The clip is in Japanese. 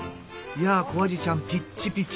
いやあ小アジちゃんピッチピチ。